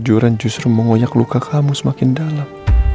kejuran justru mengoyak luka kamu semakin dalam